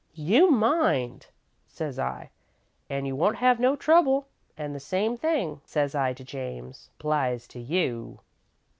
You mind,' says I, 'an' you won't have no trouble; an' the same thing,' says I to James, 'applies to you.'